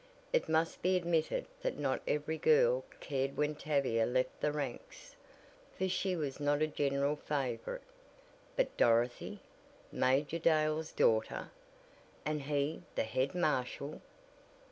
It must be admitted that not every girl cared when Tavia left the ranks, for she was not a general favorite: but Dorothy! Major Dale's daughter! and he the head marshal!